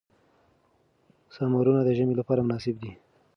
سمورونه د ژمي لپاره مناسب دي.